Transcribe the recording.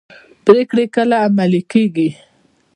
پریکړې کله عملي کیږي؟